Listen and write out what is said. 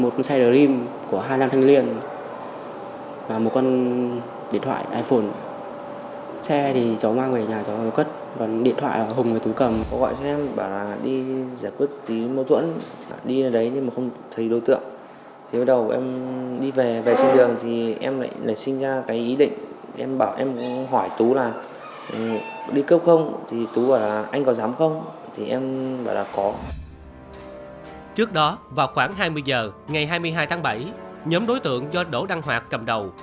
trước đó vào khoảng hai mươi giờ ngày hai mươi hai tháng bảy nhóm đối tượng do đỗ đăng hoạt cầm đầu